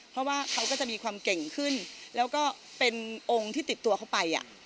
เพราะว่าเขาก็จะมีความเก่งขึ้นแล้วก็เป็นองค์ที่ติดตัวเข้าไป